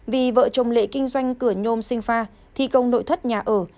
vì vợ chồng lệ kinh doanh cửa nhôm sinh pha thi công nội thất nhà ở